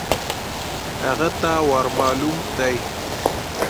هغه ته ور مالوم دی .